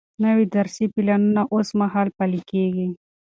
نوي درسي پلانونه اوس مهال پلي کیږي.